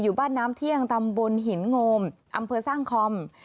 อยู่บ้านน้ำเที่ยงตำบลหินโงมอำเภอสร้างคอม